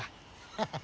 ハハハ。